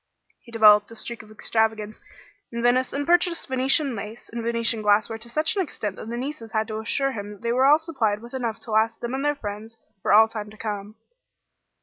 He developed a streak of extravagance in Venice, and purchased Venetian lace and Venetian glassware to such an extent that the nieces had to assure him they were all supplied with enough to last them and their friends for all time to come.